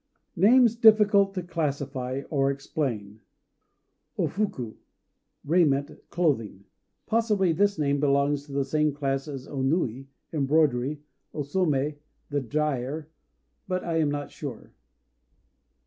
NAMES DIFFICULT TO CLASSIFY OR EXPLAIN O Fuku "Raiment," clothing. Possibly this name belongs to the same class as O Nui ("Embroidery"), O Somé ("The Dyer"); but I am not sure.